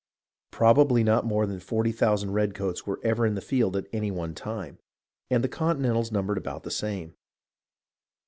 Probably not more than forty thousand redcoats were ever in the field at any one time, and the Continentals numbered about the same.